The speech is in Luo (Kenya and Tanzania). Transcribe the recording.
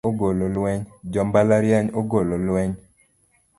Jo mbalariany ogolo lweny